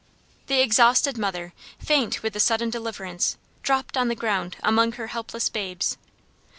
The exhausted mother, faint with the sudden deliverance, dropped on the ground among her helpless babes.